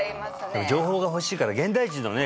でも情報が欲しいから現代人のね